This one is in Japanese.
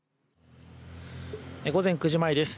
午前９時前です。